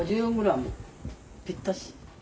ぴったし。